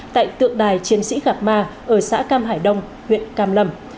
tại tượng đài chiến sĩ gạc ma ở xã cam hải đông huyện cam lâm